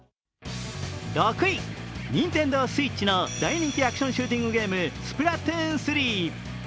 ＮｉｎｔｅｎｄｏＳｗｉｔｃｈの大人気アクションシューティングゲーム、「スプラトゥーン３」。